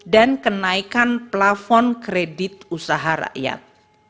dan kenaikan plafon kredit perusahaan